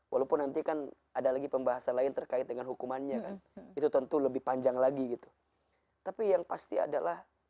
walaupun nanti kan ada lagi pembahasan lain terkait dengan hukumannya kan itu tentu lebih panjang lagi gitu tapi yang pasti adalah